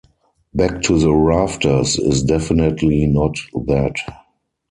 Back to the Rafters is definitely not that.